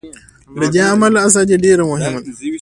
له دې امله ازادي ډېره مهمه ده.